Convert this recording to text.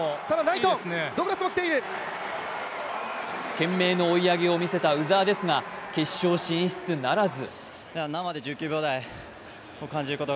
懸命の追い上げを見せた鵜澤ですが決勝進出ならず。